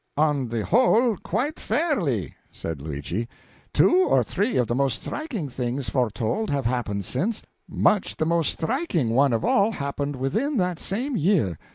"On the whole, quite fairly," said Luigi. "Two or three of the most striking things foretold have happened since; much the most striking one of all happened within that same year.